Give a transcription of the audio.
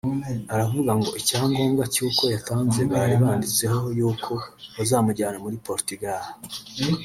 aravuga ngo ‘icyangombwa cy’uko yatanze bari banditseho y’uko bazamujyana muri Portugal